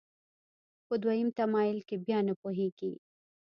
په دویم تمایل کې بیا نه پوهېږي.